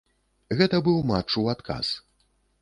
Гэта быў матч у адказ.